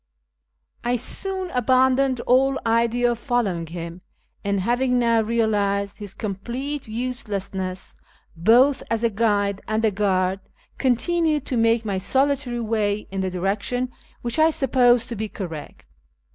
I soon abandoned all idea of following him, and, having now realised his complete uselessness, both as a guide and a guard, continued to make my solitary way in the direction which I supposed to be correct.